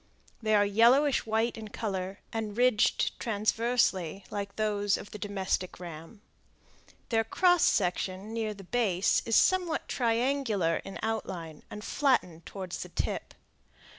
They are yellowish white in color, and ridged transversely, like those of the domestic ram. Their cross section near the base is somewhat triangular in outline, and flattened toward the tip.